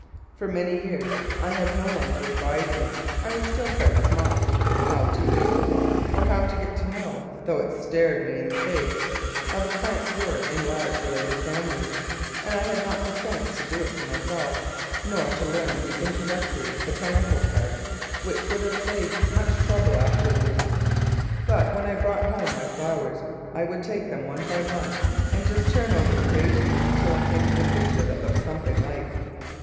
For many years I had no one to advise me (I was still quite small) how to use the book, or how to get to know (though it stared me in the face) how the plants were in large related families, and I had not the sense to do it for myself, nor to learn the introductory botanical part, which would have saved much trouble afterwards; but when I brought home my flowers I would take them one by one and just turn over the pages till I came to the picture that looked something like.